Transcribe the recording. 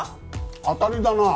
当たりだな！